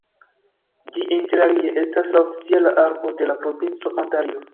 Ĝi interalie estas la oficiala arbo de la provinco Ontario.